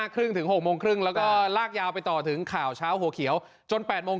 ครึ่งถึง๖โมงครึ่งแล้วก็ลากยาวไปต่อถึงข่าวเช้าหัวเขียวจน๘โมง